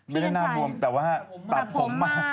ไม่ได้หน้าบวมแต่ว่าตัดผมมาก